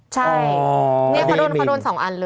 ใช่นี่เขาโดน๒อันเลย